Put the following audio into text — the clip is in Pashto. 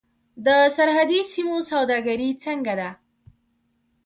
د سرحدي سیمو سوداګري څنګه ده؟